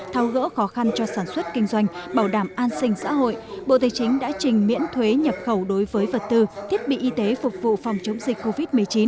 thao gỡ khó khăn cho sản xuất kinh doanh bảo đảm an sinh xã hội bộ tây chính đã trình miễn thuế nhập khẩu đối với vật tư thiết bị y tế phục vụ phòng chống dịch covid một mươi chín